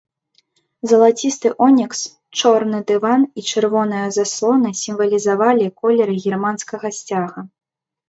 Залацісты онікс, чорны дыван і чырвоная заслона сімвалізавалі колеры германскага сцяга.